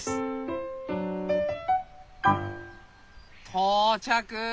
到着！